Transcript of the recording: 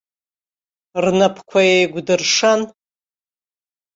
Рнапқәа еикәдыршан.